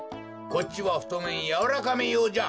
こっちはふとめんやわらかめようじゃ！